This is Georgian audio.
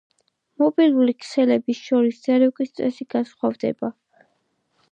მობილური ქსელების შორის დარეკვის წესი განსხვავდება.